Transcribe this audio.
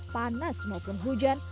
panas maupun hujan